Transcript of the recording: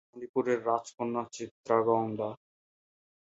মণিপুরের রাজকন্যা চিত্রাঙ্গদা।